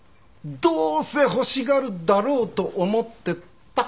どうせ欲しがるだろうと思ってさ。